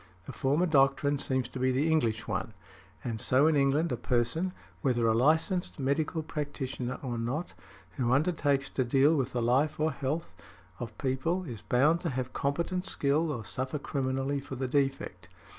The former doctrine seems to be the English one, and so in England a person, whether a licensed medical practitioner or not, who undertakes to deal with the life or health of |90| people, is bound to have competent skill or suffer criminally for the defect.